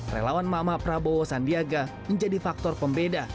relawan mama prabowo sandiaga menjadi faktor pembeda